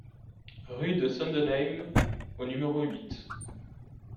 Rue de Sundenheim au numéro huit